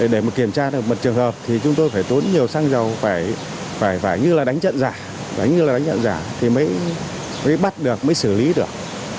để mà kiểm tra được một trường hợp thì chúng tôi phải tốn nhiều xăng dầu phải như là đánh trận giả đánh như là đánh nhận giả thì mới bắt được mới xử lý được